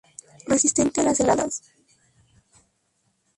Resistente a las heladas.